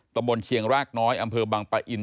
ตำบลเชียงรากน้อยอำเภอบังปะอิน